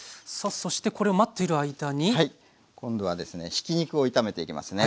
ひき肉を炒めていきますね。